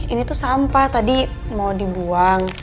ini tuh sampah tadi mau dibuang